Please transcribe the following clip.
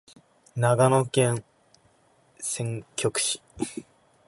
長野県千曲市